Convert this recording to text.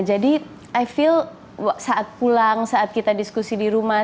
i field saat pulang saat kita diskusi di rumah